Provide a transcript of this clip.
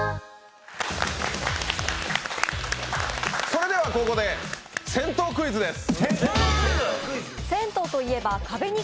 このあとここで銭湯クイズです。